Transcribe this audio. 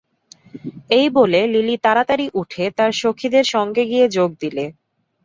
এই বলে লিলি তাড়াতাড়ি উঠে তার সখীদের সঙ্গে গিয়ে যোগ দিলে।